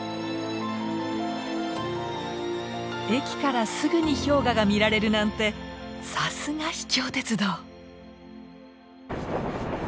駅からすぐに氷河が見られるなんてさすが秘境鉄道！